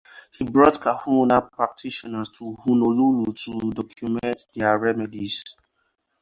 He brought kahuna practitioners to Honolulu to document their remedies.